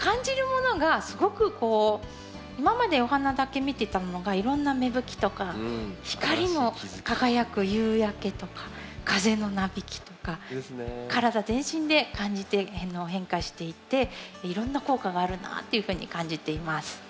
今までお花だけ見てたものがいろんな芽吹きとか光も輝く夕焼けとか風のなびきとか体全身で感じて変化していっていろんな効果があるなっていうふうに感じています。